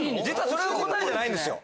それが答えじゃないんですよ。